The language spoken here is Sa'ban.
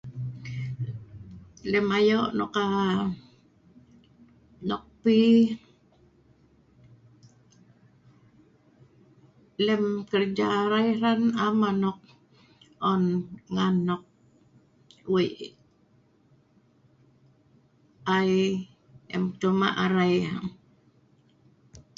lem ayo' nok aa nok pi lem kerja arai hran am anok on ngan nok wei yah, ai cuma arai